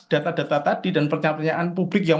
data data tadi dan pertanyaan pertanyaan publik yang